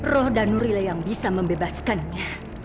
roh danurila yang bisa membebaskannya